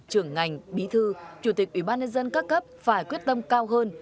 trưởng ngành bí thư chủ tịch ủy ban nhân dân các cấp phải quyết tâm cao hơn